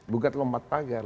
bukan lompat pagar